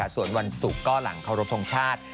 ส่วนวันศุกร์ก็หลังเคารพทงชาติ